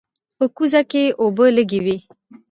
په کوزه کې اوبه لږې وې.